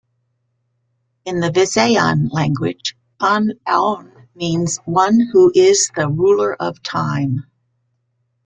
In the Visayan language, Kan-Laon means One Who Is the Ruler Of Time.